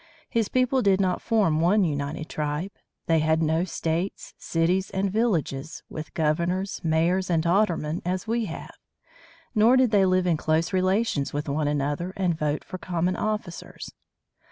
His people did not form one united tribe. They had no states, cities, and villages, with governors, mayors, and aldermen, as we have. Nor did they live in close relations with one another and vote for common officers.